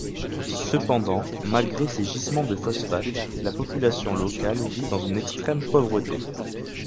Cependant malgré ces gisements de phosphates, la population locale vit dans une extrême pauvreté.